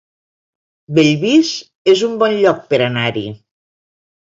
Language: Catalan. Bellvís es un bon lloc per anar-hi